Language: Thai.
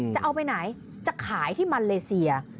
จะเอาไปไหนจะขายที่มันเลเซีย